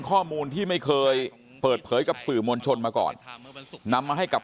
ข้อมูลที่ไม่เคยเปิดเผยกับสื่อมวลชนมาก่อนนำมาให้กับ